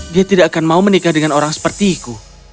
dia tidak akan mau menikah dengan orang sepertiku